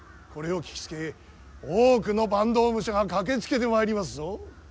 これを聞きつけ多くの坂東武者が駆けつけてまいりますぞ。